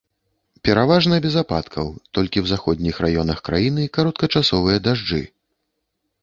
Пераважна без ападкаў, толькі ў заходніх раёнах краіны кароткачасовыя дажджы.